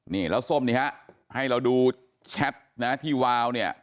นี่แล้วส้มนี้ฮะให้เราดูแชทนะที่วาวเนี่ย